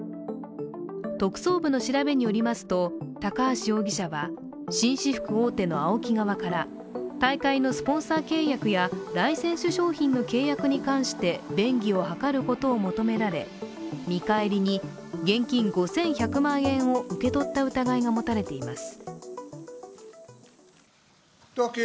特捜部の調べによりますと、高橋容疑者は紳士服大手のＡＯＫＩ側から大会のスポンサー契約やライセンス商品の契約に関して便宜を図ることを求められ、見返りに、現金５１００万円を受け取った疑いが持たれています。